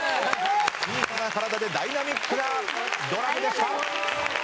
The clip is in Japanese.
小さな体でダイナミックなドラムでした。